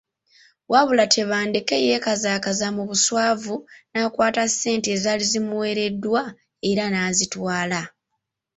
Wabula Tebandeke yeekazakaza mu buswavu n’akwata ssente ezaali zimuweereddwa era n’azitwala.